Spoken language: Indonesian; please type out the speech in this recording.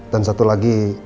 dan satu lagi